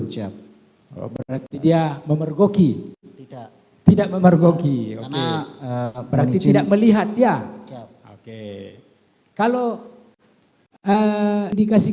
siap berarti dia memergoki tidak tidak memergoki berarti tidak melihat dia oke kalau dikasih